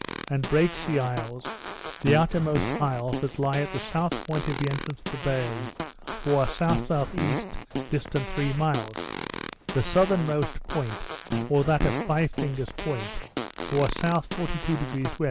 and Break sea Isles (the outermost isles that lie at the south point of the entrance of the bay,) bore S.S.E., distant three miles; the southernmost point, or that of Five Fingers Point, bore south 42° W.